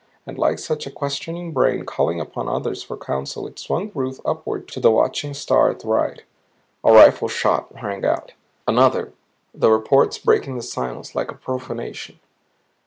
And like such a questioning brain calling upon others for counsel, it swung Ruth upward to the watching star at the right. A rifle shot rang out. Another the reports breaking the silence like a profanation.